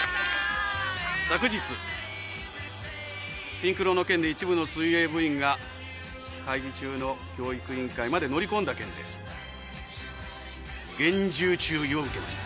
昨日シンクロの件で一部の水泳部員が会議中の教育委員会まで乗り込んだ件で厳重注意を受けました。